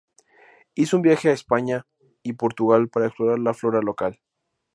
Hizo un viaje a España y Portugal para explorar la flora local.